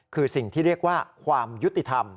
คือสิ่งที่เรียกว่าความยุติธรรม